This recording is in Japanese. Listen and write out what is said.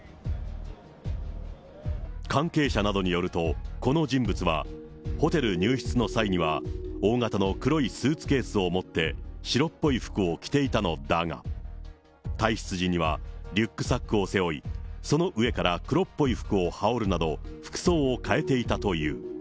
関係者などによると、この人物は、ホテル入室の際には、大型の黒いスーツケースを持って、白っぽい服を着ていたのだが、退室時には、リュックサックを背負い、その上から黒っぽい服を羽織るなど、服装を変えていたという。